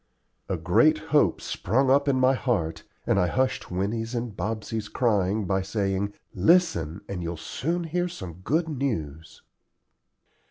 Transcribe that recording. A great hope sprung up in my heart, and I hushed Winnie's and Bobsey's crying by saying, "Listen, and you'll soon hear some good news."